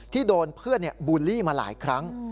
โดนเพื่อนบูลลี่มาหลายครั้ง